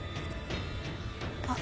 あっ。